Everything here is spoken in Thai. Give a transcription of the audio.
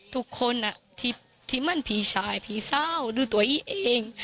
ทุกคนที่มันผีชายผีเศร้าหรือตัวอีกเอง